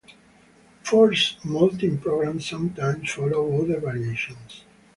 Forced molting programs sometimes follow other variations.